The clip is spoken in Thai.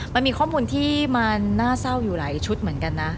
มันมีข้อมูลที่มันน่าเศร้าอยู่หลายชุดเหมือนกันนะ